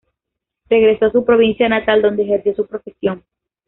Regresó a su provincia natal, donde ejerció su profesión.